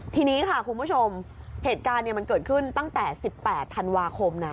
ทีนี้ค่ะคุณผู้ชมเหตุการณ์มันเกิดขึ้นตั้งแต่๑๘ธันวาคมนะ